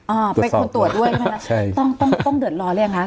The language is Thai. อ่าเป็นคนตรวจด้วยใช่ไหมใช่ต้องต้องต้องเดือดร้อนหรือยังคะ